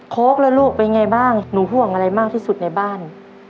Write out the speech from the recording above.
โค้กแล้วลูกเป็นไงบ้างหนูห่วงอะไรมากที่สุดในบ้าน